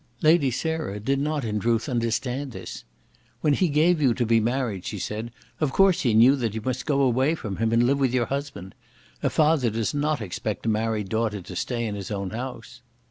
Lady Sarah did not, in truth, understand this. "When he gave you to be married," she said, "of course he knew that you must go away from him and live with your husband. A father does not expect a married daughter to stay in his own house."